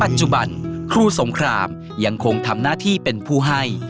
จุบันครูสงครามยังคงทำหน้าที่เป็นผู้ให้